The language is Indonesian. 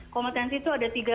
kompetensi itu ada tiga